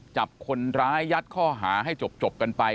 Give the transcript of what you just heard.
จับคนร้ายยัดข้อหาให้จบกันไป